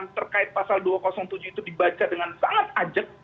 terkait pasal dua ratus tujuh itu dibaca dengan sangat ajak